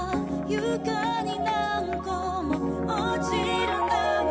「床に何個も落ちる涙」